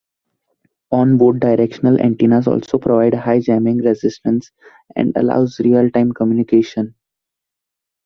On-board directional antennas also provide high jamming resistance and allows real time communication.